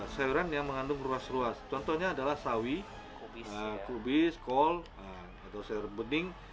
sayuran yang mengandung ruas ruas contohnya adalah sawi kubis kol atau sayur bening